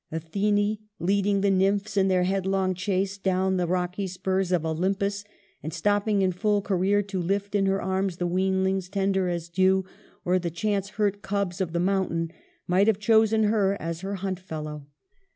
Athene, leading the nymphs in their headlong chase down the rocky spurs of Olympus, and stopping in full career to lift in her arms the weanlings, tender as dew, or the chance hurt cubs of the mountain, might have chosen her as her hunt fellow.